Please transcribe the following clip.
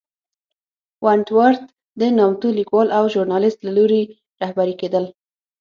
ونټ ورت د نامتو لیکوال او ژورنالېست له لوري رهبري کېدل.